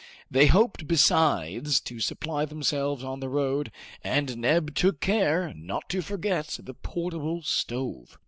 They hoped besides to supply themselves on the road, and Neb took care not to forget the portable stove.